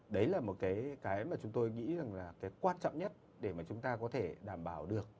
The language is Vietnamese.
đấy là một cái mà chúng tôi nghĩ rằng là cái quan trọng nhất để mà chúng ta có thể đảm bảo được